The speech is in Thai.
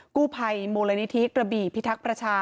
กู้ภัยมูลนิธิกระบี่พิทักษ์ประชา